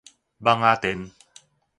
蠓仔電